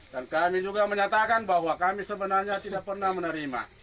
kami juga menyatakan bahwa kami sebenarnya tidak pernah menerima